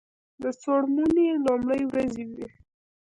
د څوړموني لومړی ورځې وې.